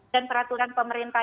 dan peraturan pemerintah